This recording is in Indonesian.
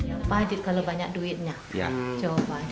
apa adit kalau banyak duit